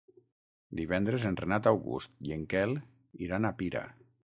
Divendres en Renat August i en Quel iran a Pira.